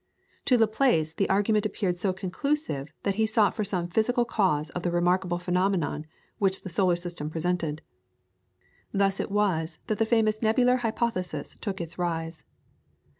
To Laplace the argument appeared so conclusive that he sought for some physical cause of the remarkable phenomenon which the solar system presented. Thus it was that the famous Nebular Hypothesis took its rise.